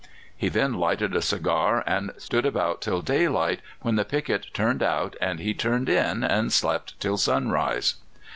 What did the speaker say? He then lighted a cigar and stood about till daylight, when the picket turned out and he turned in and slept till sunrise.